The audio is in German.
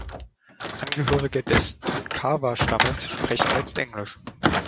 Angehörige des Tonkawa-Stammes sprechen jetzt Englisch.